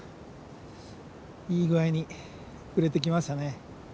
いい具合に暮れてきましたね。